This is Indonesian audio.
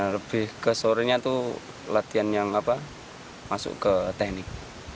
lebih ke sorenya itu latihan yang masuk ke teknik